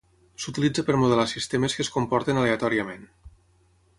S'utilitza per modelar sistemes que es comporten aleatòriament.